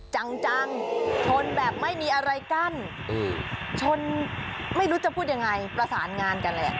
จังชนแบบไม่มีอะไรกั้นชนไม่รู้จะพูดยังไงประสานงานกันแหละ